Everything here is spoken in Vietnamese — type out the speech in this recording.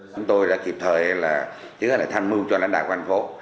chúng tôi đã kịp thời là chứa là thanh mưu cho lãnh đạo quán phố